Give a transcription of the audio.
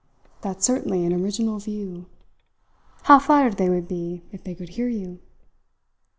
That's certainly an original view. How flattered they would be if they could hear you!"